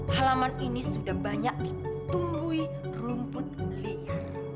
halaman ini sudah banyak ditumbuhi rumput liar